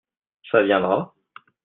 Ça viendra ?